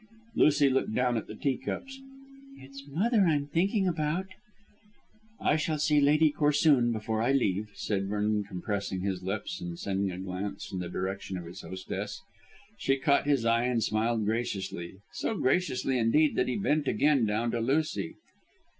Lucy looked down at the tea cups. "It's mother I'm thinking about." "I shall see Lady Corsoon before I leave," said Vernon compressing his lips, and sending a glance in the direction of his hostess. She caught his eye and smiled graciously: so graciously indeed that he bent again down to Lucy.